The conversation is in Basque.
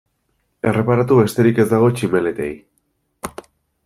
Erreparatu besterik ez dago tximeletei.